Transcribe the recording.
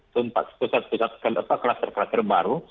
tempat tempat kelas terbaru